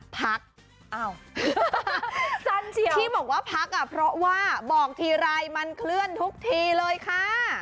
พักอ้าวที่บอกว่าพักอ่ะเพราะว่าบอกทีไรมันเคลื่อนทุกทีเลยค่ะ